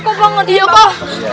kok banget ya pak